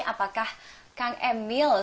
apakah kang emil sudah